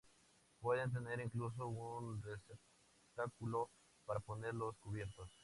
Pueden tener incluso un receptáculo para poner los cubiertos.